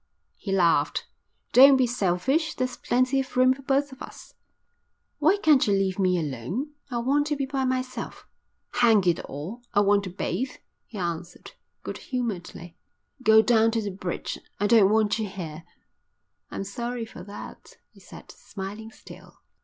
He laughed. "Don't be selfish. There's plenty of room for both of us." "Why can't you leave me alone? I want to be by myself." "Hang it all, I want to bathe," he answered, good humouredly. "Go down to the bridge. I don't want you here." "I'm sorry for that," he said, smiling still.